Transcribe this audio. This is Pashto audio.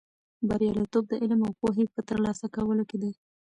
بریالیتوب د علم او پوهې په ترلاسه کولو کې دی.